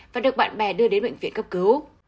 và được bạn bè đưa đến bệnh viện cấp cứu